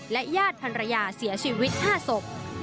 และญาติภรรยาเสียชีวิต๕ศพ